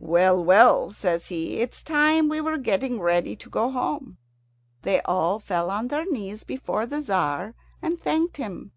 "Well, well," says he, "it's time we were getting ready to go home." They all fell on their knees before the Tzar and thanked him.